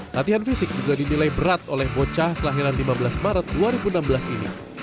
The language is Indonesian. latihan fisik juga dinilai berat oleh bocah kelahiran lima belas maret dua ribu enam belas ini